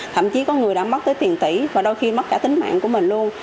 thậm chí có người đã mất tới tiền tỷ và đôi khi mất cả tính mạng của mình luôn